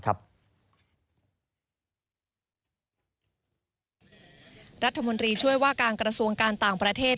รัฐมนตรีช่วยว่าการกระทรวงการต่างประเทศ